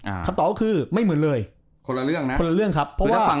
คำตอบก็คือไม่เหมือนเลยคนละเรื่องนะคนละเรื่องครับคือถ้าฟัง